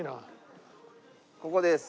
ここです。